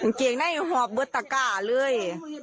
มันเกลียงได้หอบเบื้อตะกะเลย